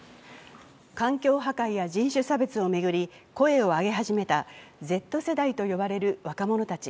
環境破壊や人種差別を巡り、声を上げ始めたＺ世代と呼ばれる若者たち。